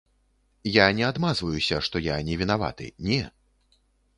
Я не адмазваюся, што я не вінаваты, не.